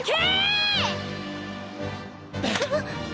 あっ。